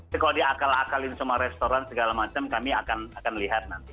tapi kalau diakal akalin sama restoran segala macam kami akan lihat nanti